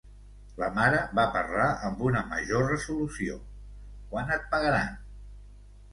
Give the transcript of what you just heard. La mare va parlar amb una major resolució, quant et pagaran?